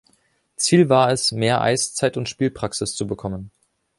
Ziel war es, mehr Eiszeit und Spielpraxis zu bekommen.